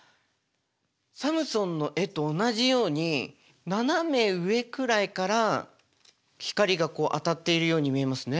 サムソンの絵と同じように斜め上くらいから光が当たっているように見えますね。